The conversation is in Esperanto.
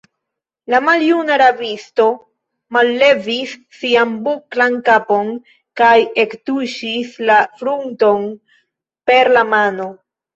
La maljuna rabisto mallevis sian buklan kapon kaj ektuŝis la frunton per la mano.